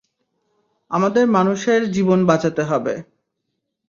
আমাদের মানুষের জীবন বাঁচাতে হবে।